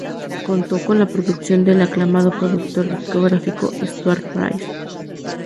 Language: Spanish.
Contó con la producción del aclamado productor discográfico Stuart Price.